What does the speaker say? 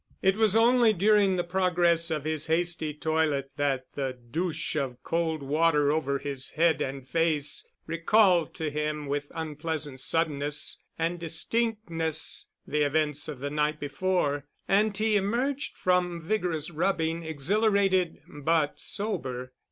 It was only during the progress of his hasty toilet that the douche of cold water over his head and face recalled to him with unpleasant suddenness and distinctness the events of the night before, and he emerged from vigorous rubbing exhilarated but sober.